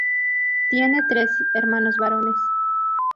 Tiene tres hermanos varones.